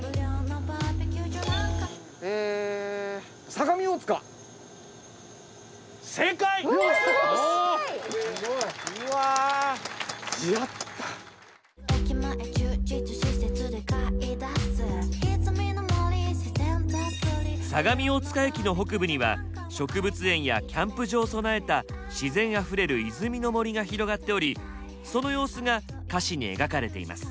相模大塚駅の北部には植物園やキャンプ場を備えた自然あふれる泉の森が広がっておりその様子が歌詞に描かれています。